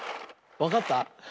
わかった？